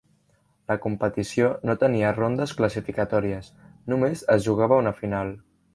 La competició no tenia rondes classificatòries; només es jugava una final.